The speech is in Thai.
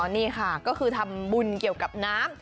นี่ค่ะก็คือทำบุญเกี่ยวกับน้ำ